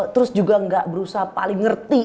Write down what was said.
terus juga nggak berusaha paling ngerti